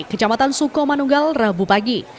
kecamatan sukomanunggal rabu pagi